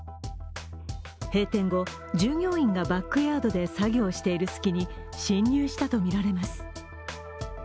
閉店後、従業員がバックヤードで作業している隙に侵入したとみられます。